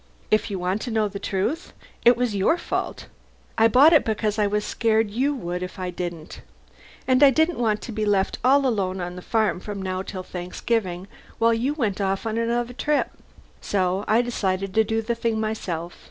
If you want to know the truth, it was your fault! I bought it because I was scared you would if I didn't. And I didn't want to be left all alone on the farm from now till Thanksgiving while you went off on another trip. So I decided to do the thing myself.